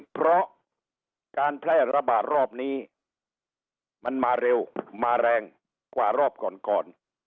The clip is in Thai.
เพราะการแพร่ระบาดรอบนี้มันมาเร็วมาแรงกว่ารอบก่อนก่อน